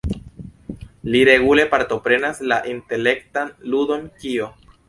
Li regule partoprenas la intelektan ludon "Kio?